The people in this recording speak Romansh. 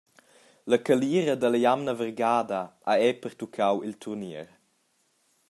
La calira dalla jamna vargada ha era pertuccau il turnier.